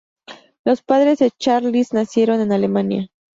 Los padres de Charles nacieron en Alemania.